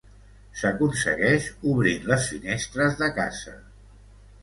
S'aconsegueix obrint les finestres de casa.